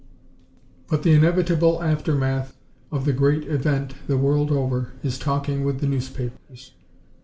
But the inevitable aftermath of the great event the world over is the talking with the newspapers.